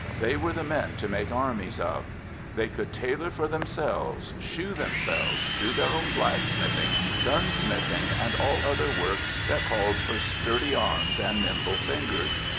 They were the men to make armies of. They could tailor for themselves, shoe themselves, do their own blacksmithing, gunsmithing, and all other work that calls for sturdy arms and nimble fingers.